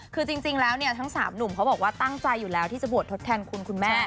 คือจริงแล้วเนี่ยทั้ง๓หนุ่มเขาบอกว่าตั้งใจอยู่แล้วที่จะบวชทดแทนคุณคุณแม่